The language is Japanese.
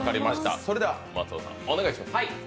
それでは松尾さん、お願いします。